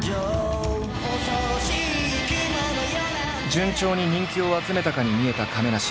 順調に人気を集めたかに見えた亀梨。